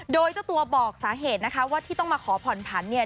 โดยเจ้าตัวบอกสาเหตุนะคะว่าที่ต้องมาขอผ่อนผันเนี่ย